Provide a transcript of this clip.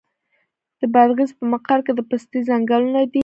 د بادغیس په مقر کې د پسته ځنګلونه دي.